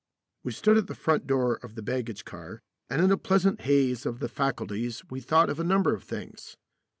We stood at the front door of the baggage car, and in a pleasant haze of the faculties we thought of a number of things.